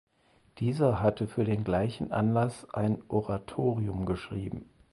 Dieser hatte für den gleichen Anlass ein Oratorium geschrieben.